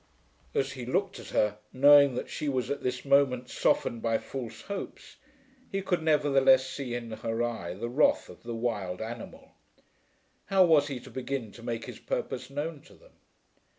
As he looked at her, knowing that she was at this moment softened by false hopes, he could nevertheless see in her eye the wrath of the wild animal. How was he to begin to make his purpose known to them.